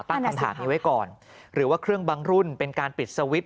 ตั้งคำถามนี้ไว้ก่อนหรือว่าเครื่องบางรุ่นเป็นการปิดสวิตช